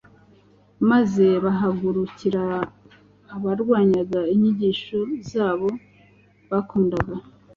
maze bahagurukira abarwanyaga inyigisho zabo bakundaga.